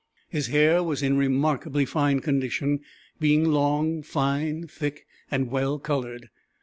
His hair was in remarkably fine condition, being long, fine, thick, and well colored.